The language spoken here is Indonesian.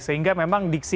sehingga memang diksi